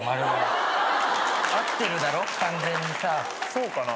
そうかな？